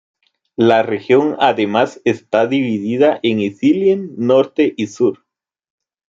La región además está dividida en Ithilien Norte y Sur.